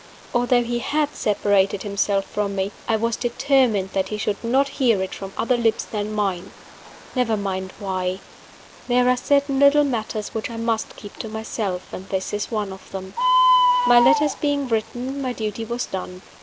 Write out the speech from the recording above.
Although he had separated himself from me, I was determined that he should not hear it from other lips than mine. Never mind why. There are certain little matters which I must keep to myself; and this is one of them. My letters being written, my duty was done.